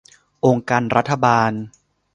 องค์การรัฐบาล